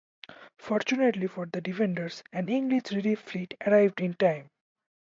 Fortunately for the defenders, an English relief fleet arrived in time.